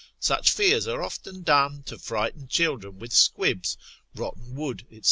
such fears are often done, to frighten children with squibs, rotten wood, &c.